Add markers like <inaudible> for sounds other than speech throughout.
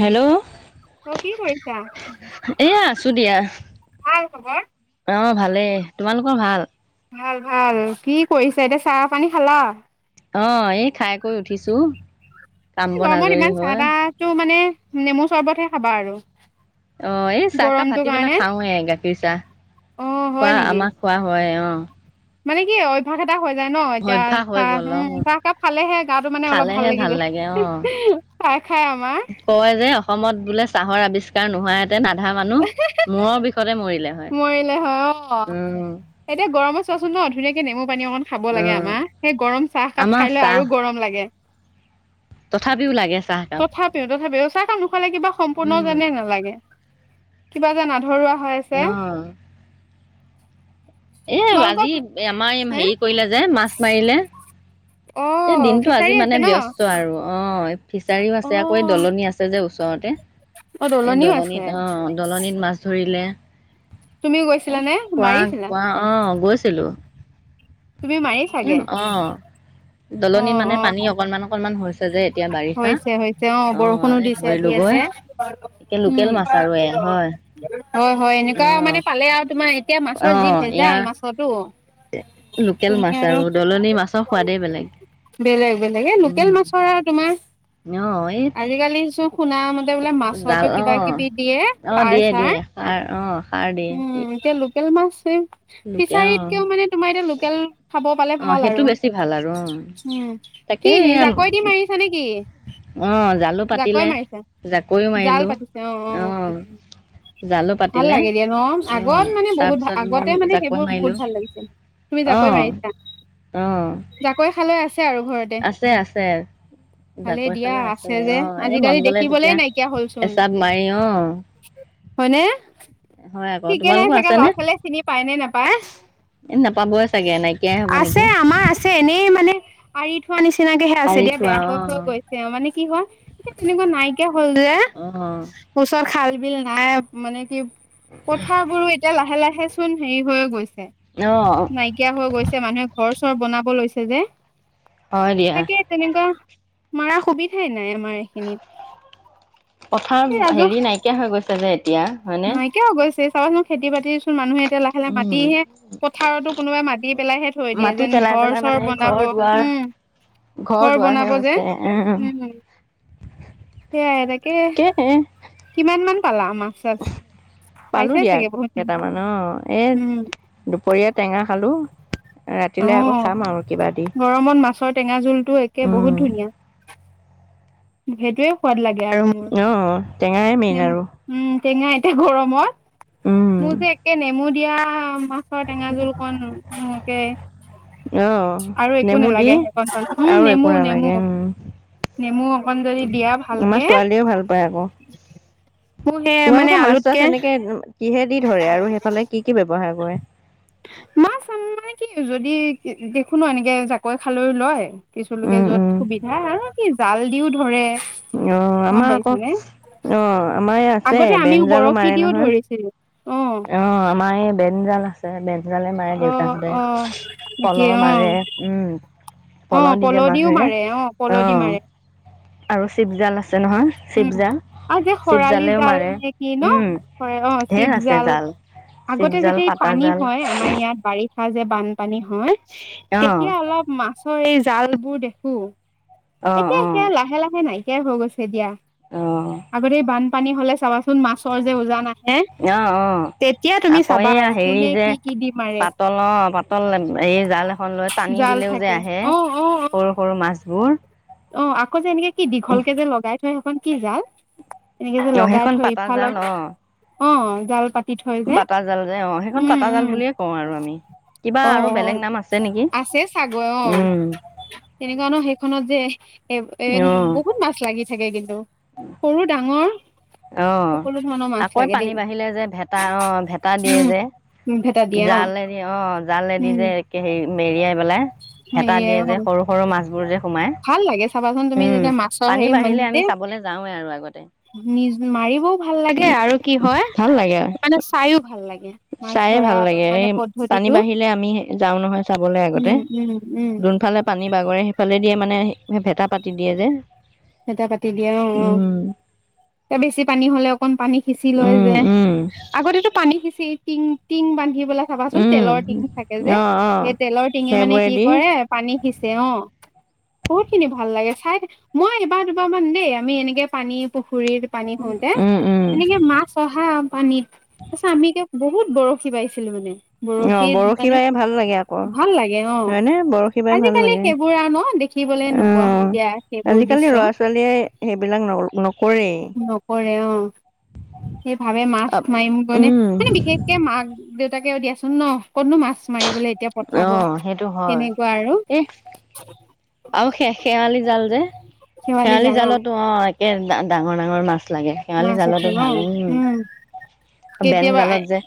Hello অ কি কৰিছা? এয়া আছো দিয়া ভাল খবৰ? অ ভাল দেই তোমালোকৰ ভাল? ভাল ভাল কি কৰিছা এতিয়া চাহ পানী খালা। অ এই খাই কৈ উঠিছো। কাম এই বন গৰমত আজৰি ইমান হয় চাহাহতটো মানে নেমু চৰ্বতহে খাবা আৰু অ এই চাহকাপ গৰমটোৰ ভাতি পেলাই কাৰণে খাওৱে গাখীৰ চাহ অ হয় খোৱা নেকি? আমাৰ খোৱা হয় অ হয় মানে কি অভ্যাস হৈ যায় ন এতিয়া অভ্যাস হৈ চাহ গ'ল অ উম চাহকাপ খালেহে গাটো মানে অলপ ভাল খালেহে লাগি যায় লাগে অ চাহ খাই আমাৰ কয় যে অসমত বোলে চাহৰ আৱিষ্কাৰ নোহোৱা আধা মানুহ মূৰৰ বিষতে মৰিল মৰিলে হয় অ এতিয়া গৰমত চোৱাচোন ন ধুনীয়াক এ নেমু পানী অকন খাব লাগে উম আমাৰ সেই গৰম চাহকাপ আমাৰ খাই লৈ চাহ আৰু গৰম লাগে তথাপিও লাগে চাহ কাপ তই কা মোক খালে কিবা সম্পূৰ্ণ যেনে নালাগে কিবা যেন ধৰুৱা অহ এ তোমালোকৰ আজি আমাৰ এই হে হেৰি কৰিলে যে মাছ মাৰিলে এ অ', দিনটো আজি ফিচাৰী মানে আছে ন? ব্যস্ত আৰু অ ফিছাৰীও আছে আকৌ এই অ', দলনি আছে ওচৰতে অ', এ দলনিও আছে। দলনিত অ দলনিত মাছ ধৰিলে তুমিও গৈছিলা নে মাৰিছিলা মাৰিচিলো তুমি মাৰি চাগে দলনিত অ', মানে অ', পানী অকনমান অকনমান হৈছে যে এতিয়া বাৰিষা। হৈছে হৈছে অ বৰষুণো এই দিছে দি ধৰিলোগৈ আছে একে উম লোকেল মাছ আৰু এয়া হয় হয় হয় এনেকুৱা মানে অ'। পালে আৰু তোমাৰ এতিয়া মাছৰ জীৱ অ' ভেজাল ইয়াৰ মাছতো লোকেল মাছ আৰু দলনিৰ মাছৰ সোৱাদেই বেলেগ। বেলেগ বেলেগ এ লোকেল উম, মাছ তোমাৰ অ' এই আজিকালি চো শুনা মতে বোলে জাল মাছতো কিবা অ' কিবি দিয়ে অ' সাৰ দিয়ে চাৰ দিয়ে সাৰ অ' সাৰ দিয়ে উম এতিয়া একেলমা আছে লোকে অ'। ফিচাৰীতকেও মানে তোমাৰ এতিয়া লোকেল খাব পালে অ' ভাল সেইটো আৰু বেছি ভাল আৰু অ' উ কি তাকে এয়া নিজাকৈ দি মাৰিছা নেকি অ' জালো জাকৈ পাতিলে মাৰিছা জাকৈও জাল মাৰিলোঁ পাতিছো অ অ জালো ভাল পাতিলে লাগে দিয়া ন আগত অ' মানে বহুত তাৰপিছত মই আগতে মানে জাকৈ সেইবোৰ বহুত মাৰিলোঁ ভাল লাগিছে তুমি জাকৈ অ' মাৰিছা অ' জাকৈ ভালে আছে আৰু ঘৰতে আছে আছে ভালে জাকৈ দিয়া খালৈ আছে যে অ' এই মন আজিকালি গ'লে দেখিবলে তেতিয়া নাইকিয়া হলচোন এচাপ মাৰি অ' হয়নে হয় আকৌ ঠিকে নাই তোমালোকৰ চাগে ল'ৰা আছেনে ছোৱালীয়ে চিনি পায় নে নাপায় এই নাপাবই চাগে নাইকিয়াই হ'ব আছে নেকি আমাৰ আছে এনেই মানে পাৰি থোৱা নিচ সেনেকে আছে পাৰি থোৱা বেয়া হৈ অ' হৈ গৈ তেওঁ মানে কি হয় এতিয়া তেনেকুৱা নাইকিয়া হল যে অ' ওচৰ খাল বিল নাই মানে কি পথাৰবো বোৰো এতিয়া লাহে লাহে হে চোন হেৰি হৈয়ে গৈছে অ' নাইকিয়া হৈ গৈছে মানুহে ঘৰ ঘৰ বনাব লৈছে যে হয় দিয়া তাকে তেনেকোৱা মাৰা সুবিধাই নাই আমাৰ এইখিনিত। কথাৰ এই ৰাজহ হেৰি নাইকিয়া হৈ গৈছে যে এতিয়া। হয়নে নাইকিয়া হ গৈ চে চাবাচোন খেতি বাতি চোন মানুহে লাহে লাহ উম, মাতিহে পথাৰতো কোনোবাই মাত পেলাইহে থৈ দিয়ে মাটি যেন পেলাই ঘৰ পেলাই চৰ মানে বনাব। ঘৰ দুৱাৰ উম। ঘৰ বনাব যে। উম। সেয়াই তাকে কে কিমান মান পালা মাছ। চাছ পালোঁ পাইছাই দিয়া চাগে বহুত কেইটামান অ' এই উম দুপৰীয়া টেঙা খালোঁ অ ৰাতিলৈ আকৌ খাম আৰু কিবা দি। গৰমত মাছৰ টেঙা জোলটো একে উম। সেইটোয়ে সোৱাদ লাগে। আৰু মোৰ অ' টেঙাই মেইন নেমু আৰু উম টেঙা এতিয়া গৰমত উম, মোৰ যে একে নেমু দিয়া মাছৰ টেঙা জোল কণ অ', আৰু একো নেমু দি নালাগে সেইকন উম আৰু একো নেমু নেমু। নালাগে উম, নেমু। যদি দিয়া ভালকে আমাৰ ছোৱালীয়ে ভাল পায় আকৌ। মোৰ সেই মানে তোমালোকৰ মাছ চাছ আলুতকে এনেকে কিহে দি ধৰে আৰু সেইফালে কি কি ব্যৱহাৰ কৰে <unintelligible> <unintelligible> দেখো ন এনেকে জাকৈ খালৈ লয়। কিছুুলোকে উম, যোৱাত উম, সুবিধা আৰু কি জাল দিও ধৰে। অ' গম আমাৰ আকৌ পাইছানে অ' আমাৰ এই আছে আগতে আমিও বেনজালো মাৰে বৰশী দিও নহয়। ধৰিছিলো। অ অ' আমাৰ এই বেনজাল আছে। <unintelligible> <unintelligible> মাৰে অ দেউতাহঁতে। অ তাকে পলহ অ মাৰে। অ পলহ দি পল যে দিও <unintelligible> মাৰে পল অ' দি মাৰে আৰু চিপজাল আছে নহয়। উম। চিপজাল আৰু যে শৰালি চিপজালেও জাল মাৰে নে কি ন? উম। <unintelligible> অ' ঢেৰ চিপ আছে জা জাল আগতে চিপজাল, যেতিয়া এই পাতা পানী জাল হয় আমাৰ ইয়াত বাৰিত যে বানপানী হয় অ', অ', তেতিয়া অলপ মাছৰ এই ছালবোৰ দেখোঁ এতিয়া অ'। সেয়া লাহে লাহে নাই সেয়া হৈ গৈছে এ দিয়া অ', আগতে এই বান পানী হ'লে চাবাচোন মাছৰ যে উজান আহে অ অ তেতিয়া তুমি আকৌ চাবা এইয়া আৰু হেৰি কোনে যে কি কি দি মাৰে পাতল অ পাতল এই জাল এখন লৈ টানি জাল দিলেও যে থাকে আহে অ অ অ সৰু সৰু মাছবোৰ অ আকৌ যে এনেকে কি দীঘল কে যে লগাই থয় সেইখন কি জাল এনেকে যে অ', লগাই সেইখন থৈ পাতা জাল ইফালত অ'। অ জাল পাতি থৈ যে পাতা জাল যে অ সেইখন উম পাতা জাল উম বুলিয়ে কওঁ আৰু আমি কিবা অ আৰু অ বেলেগ নাম আছে নেকি আছে চাগৈ অ উম তেনেকুৱা ন সেইখনত যে এ এ অ বহুত মাছ লাগে লাগি থাকে কিন্তু সৰু ডাঙৰ অ সকলো ধৰণৰ মাছ আকৌ লাগে পানী দেই বাঢ়িলে যে ভেটা অ, ভেটা দিয়ে যে, উম ভেটা দিয়ে অ জালেদিয়ে অ জালেদি উম যে হে মেৰিয়াই পেলাই ভেটা সেয়ে দিয়ে অ যে, সৰু সৰু মাছবোৰ যে সোমাই ভাল লাগে চাবাচোন তুমি উম যেতিয়া মাছৰ পানী হেৰি বাঢ়িলে আমি নিজে চাবলৈ যাওঁৱে আৰু আগতে নি মাৰিবও ভাল লাগে আৰু কি হয় মানে চাইও ভাল লাগে। মাছ চাইয়ে ধৰা ভাল লাগে মানে এই পানী পদ্ধতিটো বাঢ়িলে আমি যাওঁ নহয় চাবলৈ আগতে উম উম উম যোনফালে পানী বাগৰে সেইফালে দিয়ে মানে ভেটা পাতি দিয়ে যে ভেটা পাতি দিযে অ অ উম এ বেছি পানী হ'লে অকন পানী সিঁচি লয় উম যে উম আগতে তো পানি হিছি টিং টিং বান্ধি আহিবলে চাবাচোন তেলৰ টিঙ উম থাকে যে, অ অ সেই তেলৰ টিঙে মানে কি সেইবোৰেদি কৰে পানী সিচে অ বহুত খিনি ভাল লাগে চাই দে মই এইবাৰ দুবাৰমান দেই আমি এনেকে পানী পু খুৰীত পানী হওঁতে, উম উম এনেকে মাছ অহা পানীত, তাৰ পিছত আমি বহুত বৰশী বাইছিলো মানে অ বৰশীত বৰশী মানে বাই ভাল লাগে। আকৌ ভাল লাগে অ হয় নে? বৰশী বাই ভাল আজিকালি লাগে সেইবোৰ আৰু ন দেখিবলৈ নোপোৱা হলো অ', দিয়া সেইবোৰ আজিকালি দৃশ্য লৰা ছোৱালীয়ে সেইবিলাক ন নকৰেই নকৰে অ', সেই ভাবে মাছ মাৰিম গনে উম মানে বিশেষকে মাক দেউতা তাকে দিয়াচোন ন কতনো মাছ মাৰিবলৈ এতিয়া অ পঠাব সেইটো তেনেকুৱা আৰু। আৰুে শেৱালি জাল যে শেৱালি জালতো অ এ ডাঙৰ-ডাঙৰ মাছ লাগে শেৱালি মাছ উঠে জালতো ন ভাল উম', কেতিয়াবা বেংজালত যে,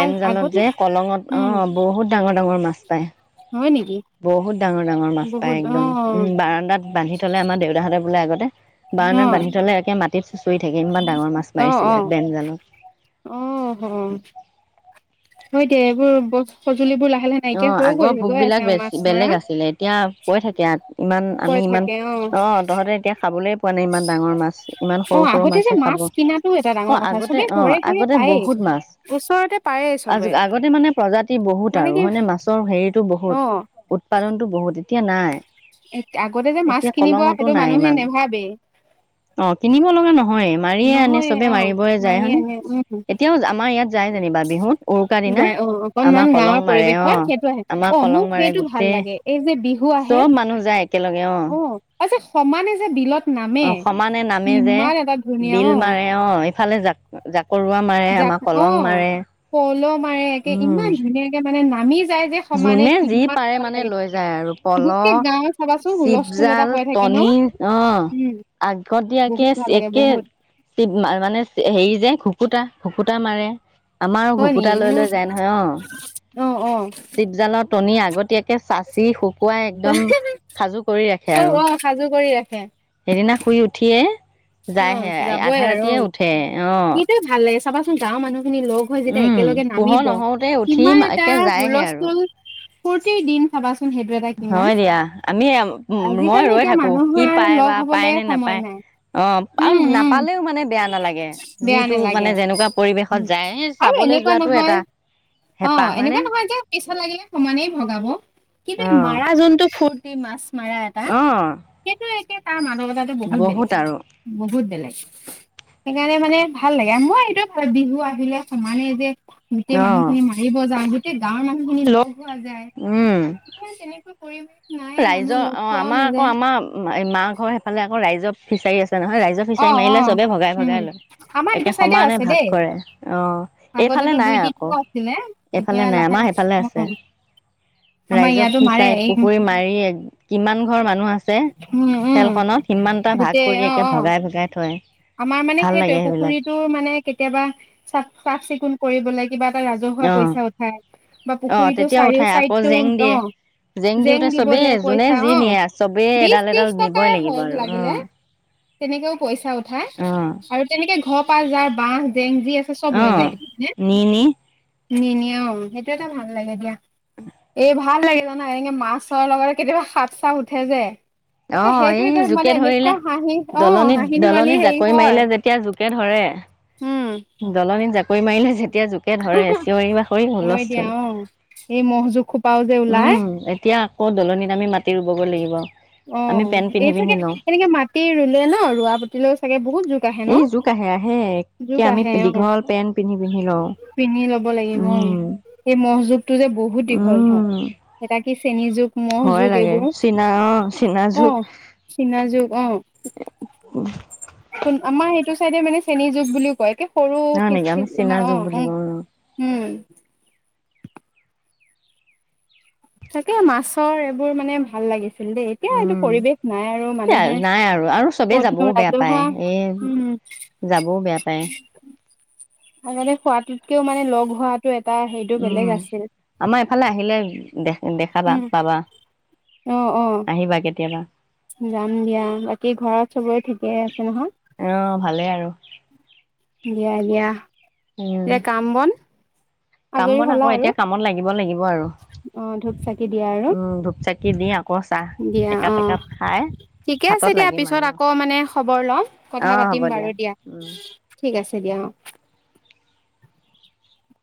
বেংজালত আগতে যে, কলঙত অ উম বহুত ডাঙৰ-ডাঙৰ মাছ পাই হয় নেকি বহুত ডাঙৰ-ডাঙৰ মাছ পাই বহুত অ একদম উম বাৰা্দাত বান্ধি থলে আমাৰ দেউতাহঁতেৰ বোলে আগতে অ বাৰান্দাত বান্ধি থ'লে একে মাটিত চোচৰি থাকে ইমান ডাঙৰ মাছ মাৰিছিলে বেংজালত। অহ', হয় দেই এইবোৰ সজুলিবোৰ লাগ অ আগৰ ভোক বিলাক বে বেলেগ আছিলে এতিয়া কৈ থাকে, ইমান আমি কৈ ইমান থাকে অ', তহঁতে এতিয়া খাবলৈ নাই ইমান ডাঙৰ মাছ ইমান অ সৰু-সৰু আগতে মাছে যে খাব মাছ কিনাটো এটা ডাঙৰ অ', কথা আগতে চবে অ', ঘৰে ঘৰে আগতে পায়েই বহুত মাছ ওচৰতে পায়েই চবে আগতে মানে প্ৰজা ি <unintelligible> বহুত মানে আৰু কি হয়নে মাছৰ হেৰিটো বহুত, অ উৎপাদনতটো বহুত। এতিয়া নাই। আগতে যে মাছ এতিয়া কিনিব কলঙতো সেইটো নাই মানুহে ইমান। নেভাবেই অ', কিনিব লগা নহয় মাৰিয়ে আনে নহয় চবে অ মাৰিবই যায় মাৰি হয়নে? আনে উম এতিয়াও যায় আমাৰ ইয়াত যায়। যেনিবা বিহুত উৰুকাৰ দিনা, যায় অ আমাৰ অকনমান কলং গাঁৱৰ মাৰে অ পৰিৱেশত সেইটো আহে, আমাৰ অ', কলং মোক মাৰে সেইটো ভাল গোটেই লাগে। এই যে বিহু আহে চব মানুহ যায় একেলগে অ', আচ্চা সমানে যে বিলত নামে, অ সমানে নামে ইমান এটা ধুনীয়া অ', ফালে যাক-যাক জাক অ', পল' মাৰে একে উম ইমান ধুনীয়াকে মানে ন আমি যোনে যি পাৰে মানে লৈ যায় আৰু পল, গোটেই গাঁৱত চাবাচোন হুলস্থুল এটা চিপজাল হৈ থাকে ন টনি অ', উম আগতিয়াকে বহুত ভাল লাগে একে বহুত মানে হেৰি যে ঘুকুতা ঘুকুতা মাৰে। আমাৰ হয় ঘুকুতা নেকি মোৰ লৈ-লৈ যায় নহয় অ', অ অ চিপজালত টনি আগতীয়াক একে চাচি শুকুৱাই একদম সাজু কৰি ৰাখে আৰু। হে, সেইদিনা শুই উঠিয়ে যায়হে অ' যাবই আধা আৰু ৰাতিয়ে অ' উঠে অ কিতো ভাল লাগে চাবাচোন। গাওঁৰ মানু্হ মানুহখিনি লগ হৈ যেতিয়া উম একেলগে পোহৰ নামিব নহওঁতে উঠি কিমান এটা একে যায়হে আৰু হুলস্থুল ফূৰ্তি দিন খাবা হয় দিয়া আমি মই আজিকালি ৰৈ এতিয়া থাকো, কি মানুহৰ পাই লগ বা হবলে পায় নে সময় নাপায় নাই অ' আৰু উম উম নাপালেও মানে বেয়া নালাগে, বেয়া যিটো মানে নালাগে যেনেকুৱা পৰিৱেশত উম, যায় সেই আৰু চাবলৈ এনেকুৱা যোৱাটো নহয় এটা হেঁপাহ হয়নে? পইছা লাগে সমানেই ভগাব। কিবা অ মাৰা জন্তু ফুৰ কি মাছ মাৰা এটা অ সেইটোৱেই তাৰ মান <unintelligible> লৰাটো বহুত বেলেগ। বহুত বেলেগ সেইকাৰণে মানে ভাল লাগে মই এইটো ভাল বিহু আহিলে সমানে যে। গোটেই অ মানুহখিনি মাৰিব যাওঁ। গাঁৱৰ মানুহখিনি লগ পোৱা যায় উম মানে এতিয়া তেনেকুৱা পৰিৱেশ নাই মানুহ ৰাইজৰ লগ অ' পোৱাও আমাৰ আকৌ নাযায় আমাৰ এই মাহ ঘৰ সফালে আকৌ ৰাইজৰ ফিচাৰী আছে। নহয় ৰাইজৰ অ ফিচাৰী অ মাৰিলে চবে ভগাই উম ভগাই লয় আমাৰ একে সমানে ভাগ কৰে অ' এইফালে আগতেো নাই দুই আকৌ তিনিও আছিলে এইফালে এতিয়া নাই লাহে আমাৰ সেইফালে আছে লাহে আমাৰ ইয়াতো মাৰে এই হ কিমান ঘৰ মানুহ আছে উম উম খেলখনত সিমানটা ভাগ গোটেই কৰি অ একে অ ভগাই ভগাই থয় আমাৰ মানে ভাল লাগে সেইটোয়ে সেইবিলাক পুখুৰীতো মানে কেতিয়াবা চাফ চাফ চিকুণ কৰি লাগে কিবা এটা ৰাজহুৱা অ পইচা উঠাই বা অ পুখুৰীতটো তেতিয়া চাৰিও উঠাই আকৌ চাইডতটো জেং দিয়ে অ' জেং দিওঁতে চবেই দিবলৈ যোনে পইচা যি অ' নিয়ে চবেই বিশ এডাল এডাল ত্ৰিশ নিবই টকাই লাগিব হওক আৰু অ লাগিলে তেনেকেও পইচা উঠাই হে অ আৰু তেনেকে ঘৰ পা যাই বাঁহ জেং যি আছে অ' নি- নি নি নি সেইটো এটা ভাল লাগে দিয়া, এই ভাল লাগে জানা এনেক মাছৰ লগত কেতিয়াবা সাপ চাপ উঠে যে অ একে সেইটো এই এয়া মানে এনেকুৱা হাঁহি অ' হাঁহি ধেমালি দলনি হেৰি জাকৈ হয় মাৰিলে যেতিয়া জোকে ধৰে উম দলনি জাকৈ যেতিয়া জোকে ধৰে চিঞৰি বাখৰি হয় দিয়া হুলস্থুল অ এই মহ জোক খোপাও যে ওলাই উম এতিয়া আকৌ দলনিত আমি মাটি ৰুব লাগিব অ আমি পেন্ট পিন্ধি এই চাগে পিন্ধি লওঁ এনেকে মাটি ৰুলে ন ৰোৱা পতিলেও চাগে বহুত জোক আহে এই ন জোক আহে আহে জ একে আমি আহে অ দীঘল পেন্ট পিন্ধি পিন্ধি লওঁ পিন্ধি ল'ব লাগিব অ উম এই মহ জোকটো যে বহুত দীঘল হয় উম এটা কি চেনী জোক মহ ভয় জোক লাগে এইবোৰ চীনা অ অ চীনা জোক অ উ কোন আমাৰ সেইটো চাইডে মানে চেনী জোক বুলিও কয় কে নাই নেকি আমি চীনা জোক বুলি কওঁ উম তাকে মাছৰ এইবোৰ মানে ভাল লাগিছে দেই এতিয়া এইটো উম পৰিৱেশ নাই আৰু মানুহে নাই আৰু আৰু চবেই পদন যাবও বেয়া পায় ৰাজহুৱা এই হম যাবও বেয়া পায় আৰু মানে খোৱাটোতকেও মানে লগ হোৱা উম আমাৰ এইফালে আহিলে দে দেখাবা উম পাবা অ অ আহিবা কেতিয়াবা যাম দিয়া বাকী ঘৰত চবৰে ঠিকেই আছে নহয়? অ ভালেই আৰু দিয়া দিয়া উম এয়া কাম বন কাম আজৰি বন হ'লা আকৌ আৰু এতিয়া কামত লাগিব লাগিব আৰু অ ধূপ চাকি দিয়া আৰু। উম ধূপ চাকি দি আকৌ চাহ দিয়া একাপ অ', একাপ খাই ঠিকে আছে হাতত দিয়া। লাগিম পিছত আৰু আকৌ মানে খবৰ লম। অ কথা হ'ব পাতিম বাৰু দিয়া, উম ঠিক আছে দিয়া, অ'।